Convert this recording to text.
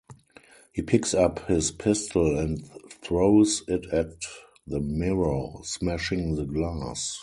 He picks up his pistol and throws it at the mirror, smashing the glass.